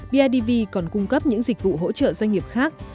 bidv còn cung cấp những dịch vụ hỗ trợ doanh nghiệp khác